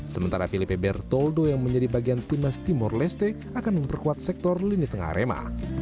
sementara filipi bertoldo yang menjadi bagian timnas timur leste akan memperkuat sektor lini tengah arema